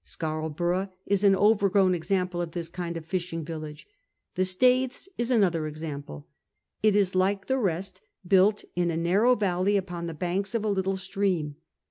Scarborough is an overgrown example of this kind of fishing village. The Staithes is another example. It is like the rest, built in a narrow valley upon the banks of a little stream.